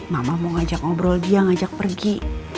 mama mau ngajak ngobrol dia ngajak pergi